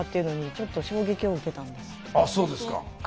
あっそうですか。